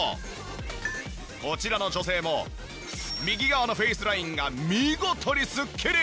こちらの女性も右側のフェイスラインが見事にすっきり！